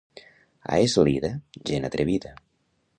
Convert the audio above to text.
A Eslida, gent atrevida.